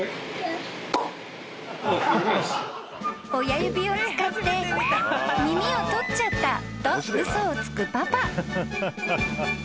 ［親指を使って耳を取っちゃったと嘘をつくパパ］